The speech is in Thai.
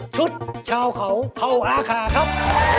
ชุดชาวเขาเผ่าอาคาครับ